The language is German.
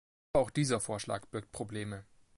Aber auch dieser Vorschlag birgt Probleme.